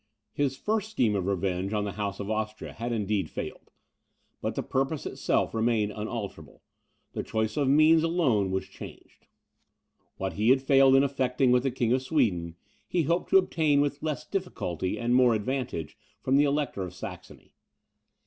His first scheme of revenge on the house of Austria had indeed failed; but the purpose itself remained unalterable; the choice of means alone was changed. What he had failed in effecting with the King of Sweden, he hoped to obtain with less difficulty and more advantage from the Elector of Saxony.